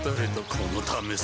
このためさ